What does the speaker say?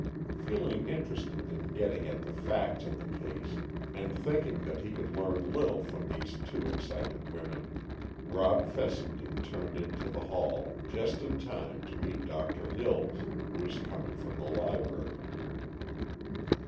Feeling interested in getting at the facts in the case, and thinking that he could learn little from these two excited women, Rob Fessenden turned into the hall just in time to meet Doctor Hills, who was coming from the library.